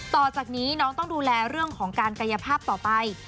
ต่อจากนี้น้องต้องดูแลเรื่องของการกายภาพต่อไป